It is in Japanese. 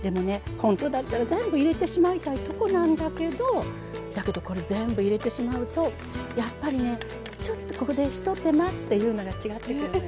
ほんとだったら全部入れてしまいたいとこなんだけどだけどこれ全部入れてしまうとやっぱりねちょっとここでひと手間っていうのが違ってくるのよね。